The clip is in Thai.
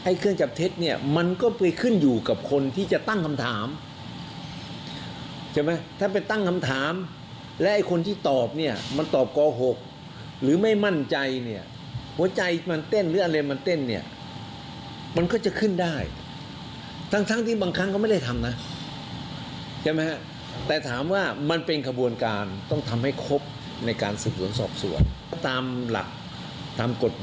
เครื่องจับเท็จเนี่ยมันก็ไปขึ้นอยู่กับคนที่จะตั้งคำถามใช่ไหมถ้าไปตั้งคำถามและไอ้คนที่ตอบเนี่ยมันตอบโกหกหรือไม่มั่นใจเนี่ยหัวใจมันเต้นหรืออะไรมันเต้นเนี่ยมันก็จะขึ้นได้ทั้งทั้งที่บางครั้งก็ไม่ได้ทำนะใช่ไหมฮะแต่ถามว่ามันเป็นขบวนการต้องทำให้ครบในการสืบสวนสอบสวนตามหลักตามกฎ